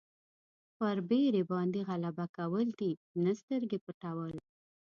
پر بېرې باندې غلبه کول دي نه سترګې پټول.